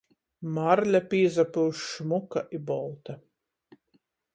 Marle pīsapyuš šmuka i bolta.